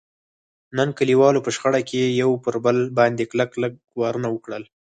نن کلیوالو په شخړه کې یو پر بل باندې کلک کلک وارونه وکړل.